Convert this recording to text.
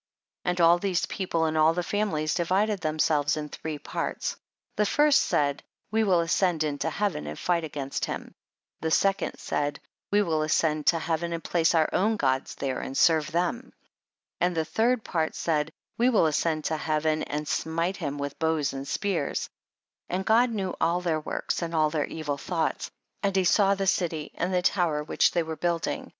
26. And all these people and all the families divided themselves in three parts ; the first said we will as cend into heaven and fight against him ; the second said, we will ascend to heaven and place our own gods there and serve them ; and the third part said, we will ascend to heaven and smite him with bows and spears; and God knew all their works and all their evil thoughts, and he saw the city and the tower which they were building.